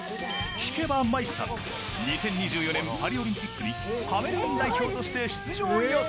聞けばマイクさん、２０２４年パリオリンピックにカメルーン代表として、出場予定。